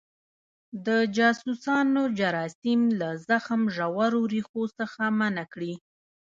د جاسوسانو جراثیم له زخم ژورو ریښو څخه منع کړي.